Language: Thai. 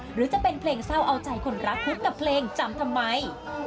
หรือจะเป็นเพลงเศร้าเอาใจคนรักพุทธกับเพลงจำทำไม